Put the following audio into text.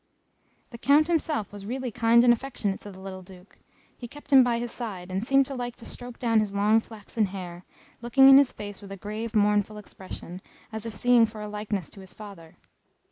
The Count himself was really kind and affectionate to the little Duke; he kept him by his side, and seemed to like to stroke down his long flaxen hair, looking in his face with a grave mournful expression, as if seeking for a likeness to his father.